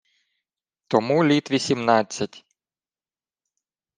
— Тому літ вісімнадцять.